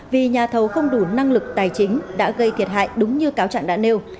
vì nhà thầu không đủ năng lực tài chính đã gây thiệt hại đúng như cáo trạng đã nêu